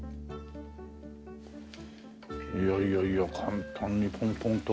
いやいやいや簡単にポンポンと。